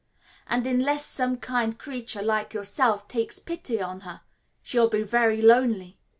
" and unless some kind creature like yourself takes pity on her she will be very lonely."